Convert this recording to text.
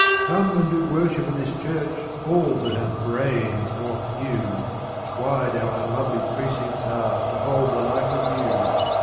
' Come and do worship at this church All that have brain or thew, Wide our unlovely precincts are To hold the like of you.